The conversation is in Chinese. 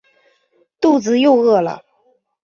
肚子又饿了